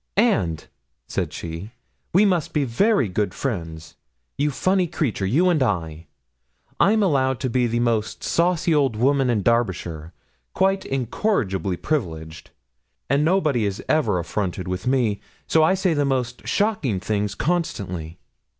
'And,' said she, 'we must be very good friends you funny creature, you and I. I'm allowed to be the most saucy old woman in Derbyshire quite incorrigibly privileged; and nobody is ever affronted with me, so I say the most shocking things constantly.'